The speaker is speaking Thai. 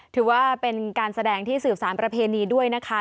ถือว่าเป็นการแสดงที่สืบสารประเพณีด้วยนะคะ